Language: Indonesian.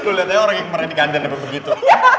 lihat aja orang yang pernah digantar nanti begitu